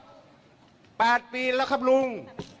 ๘ปีแล้วครับลุง